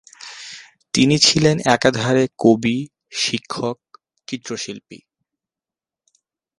তিনি ছিলেন একাধারে কবি, শিক্ষক, চিত্রশিল্পী।